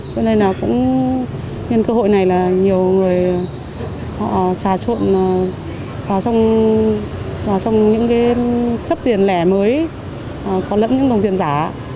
cho nên cơ hội này là nhiều người trà trộn vào trong những sấp tiền lẻ mới có lẫn những đồng tiền giả